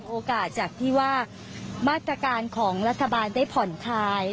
โอกาสจากที่ว่ามาตรการของรัฐบาลได้ผ่อนคลาย